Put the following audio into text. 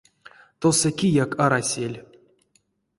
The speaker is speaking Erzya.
Тосо кияк арасель.